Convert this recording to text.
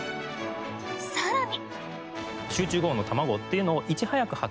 更に。